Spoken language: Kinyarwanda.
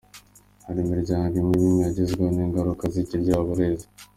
Hari imiryango imwe n’imwe yagezweho n’ingaruka z’Ikiryabarezi.